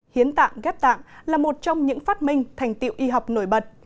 hiến tạng ghép tạng là một trong những phát minh thành tiệu y học nổi bật